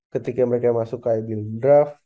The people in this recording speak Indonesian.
ketika mereka masuk ke ibl draft